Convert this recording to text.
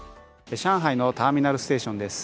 上海のターミナルステーションです。